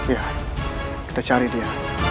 ya kita cari dia